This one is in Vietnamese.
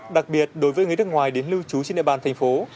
đặc biệt đối với người nước ngoài đến lưu trú trên địa bàn thành phố